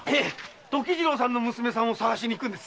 時次郎さんの娘さんを捜しに行くんです。